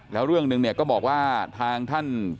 แล้วเรื่องหนึ่งเนี่ยก็บอกว่าทางท่าน